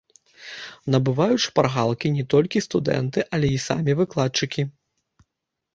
Набываюць шпаргалкі не толькі студэнты, але і самі выкладчыкі.